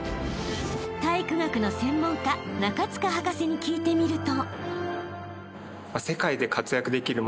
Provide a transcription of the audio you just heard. ［体育学の専門家中塚博士に聞いてみると］